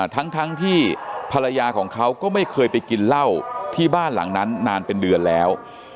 ทั้งที่ภรรยาของเขาก็ไม่เคยไปกินเหล้าที่บ้านหลังนั้นนานเป็นเดือนแล้ว